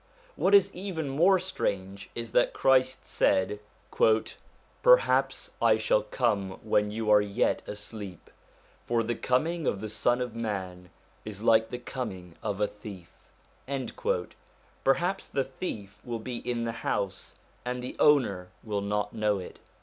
What is even more strange is that Christ said :' Perhaps I shall come when you are yet asleep, for the coming of the Son of man is like the coming of a thief.' Perhaps the thief will be in the house and the owner will not know it.